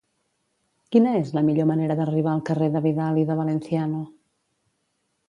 Quina és la millor manera d'arribar al carrer de Vidal i de Valenciano?